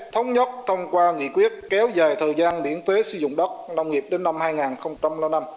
thống nhất thông qua nghị quyết kéo dài thời gian miễn thuế sử dụng đất nông nghiệp đến năm hai nghìn năm